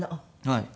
はい。